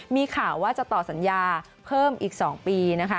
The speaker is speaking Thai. มีข่าวว่าจะต่อสัญญาเพิ่มอีก๒ปีนะคะ